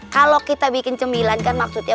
kalau kita bikin cemilan kan maksudnya